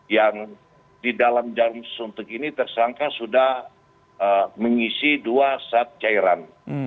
yang di dalam jarum suntik ini tersangka sudah mengisi dua sat cairan